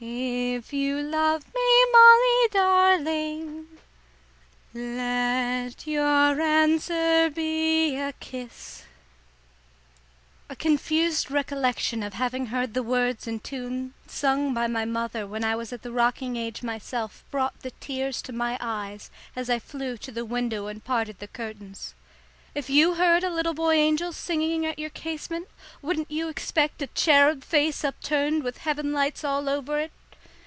"If you love me, Molly darling, Let your answer be a kiss!" A confused recollection of having heard the words and tune sung by my mother when I was at the rocking age myself brought the tears to my eyes as I flew to the window and parted the curtains. If you heard a little boy angel singing at your casement, wouldn't you expect a cherub face upturned with heaven lights all over it?